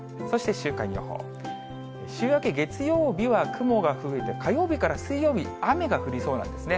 週明け月曜日は雲が増えて、火曜日から水曜日、雨が降りそうなんですね。